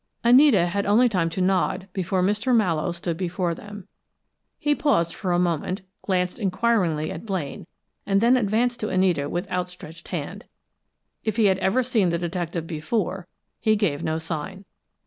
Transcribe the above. Anita had only time to nod before Mr. Mallowe stood before them. He paused for a moment, glanced inquiringly at Blaine and then advanced to Anita with outstretched hand. If he had ever seen the detective before, he gave no sign.